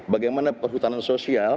bagaimana perhutanan sosial